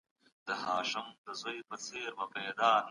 که انلاین زده کړه ملاتړ ولري، تعلیم نه کمزوری کيږي.